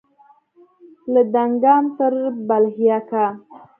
له دانګام تر بلهیکا